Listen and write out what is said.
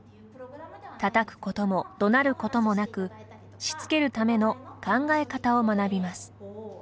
たたくことも、どなることもなくしつけるための考え方を学びます。